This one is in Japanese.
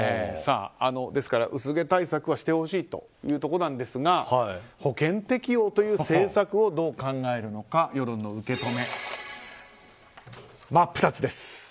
ですから薄毛対策はしてほしいというところですが保険適用という政策をどう考えるのか、世論の受け止め真っ二つです。